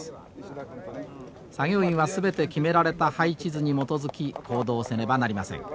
作業員は全て決められた配置図に基づき行動せねばなりません。